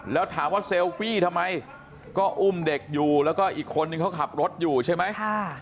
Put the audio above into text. แล้วถามว่าเซลฟี่ทำไมก็อุ้มเด็กอยู่แล้วก็อีกคนนึงเขาขับรถอยู่ใช่ไหม